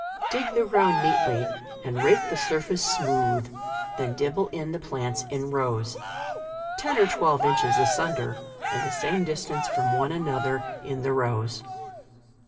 Dig the ground neatly, and rake the sur face smooth ; then dibble in the plants in JUNE. 149 rows, ten or twelve inches asunder, and the same distance from one another in the rows.